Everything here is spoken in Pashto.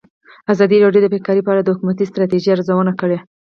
ازادي راډیو د بیکاري په اړه د حکومتي ستراتیژۍ ارزونه کړې.